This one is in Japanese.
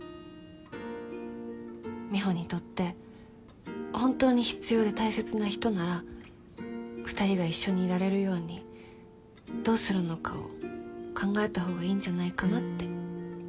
美帆にとって本当に必要で大切な人なら２人が一緒にいられるようにどうするのかを考えた方がいいんじゃないかなって。